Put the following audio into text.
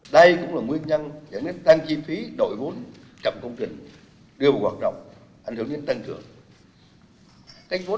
đây cũng là nguyên nhân tăng chi phí đội vốn chậm công trình đưa vào hoạt động hành hưởng đến tăng trưởng